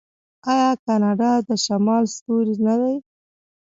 آیا کاناډا د شمال ستوری نه دی؟